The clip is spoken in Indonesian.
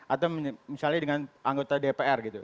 atau misalnya dengan anggota dpr gitu